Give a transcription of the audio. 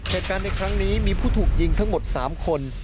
เหตุการณ์ในครั้งนี้มีผู้ถูกยิงทั้งหมด๓คน